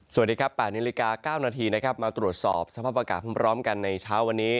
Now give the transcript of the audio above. สวัสดีครับ๘นาฬิกา๙นาทีนะครับมาตรวจสอบสภาพอากาศพร้อมกันในเช้าวันนี้